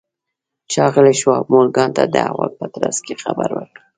ښاغلي شواب مورګان ته د احوال په ترڅ کې خبر ورکړ